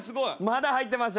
まだ入ってます。